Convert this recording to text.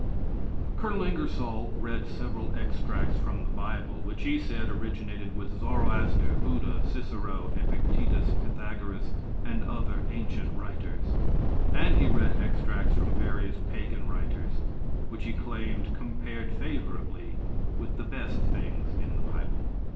[Colonel Ingersoll read several extracts from the bible, which he said originated with Zoroaster, Buddha, Cicero, Epictetus, Pythagoras and other ancient writers, and he read extracts from various pagan writers, which he claimed compared favorably with the best things in the bible.